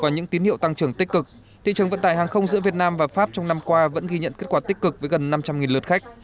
trong những tín hiệu tăng trưởng tích cực thị trường vận tải hàng không giữa việt nam và pháp trong năm qua vẫn ghi nhận kết quả tích cực với gần năm trăm linh lượt khách